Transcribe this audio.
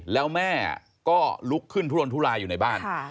แล้วแม่ก็ลุกขึ้นทุรนทุลายอยู่ในบ้าน